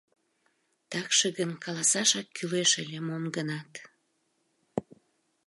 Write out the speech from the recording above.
Такше гын каласашак кӱлеш ыле мом-гынат.